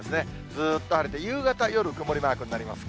ずっと晴れて夕方、夜、曇りマークになります。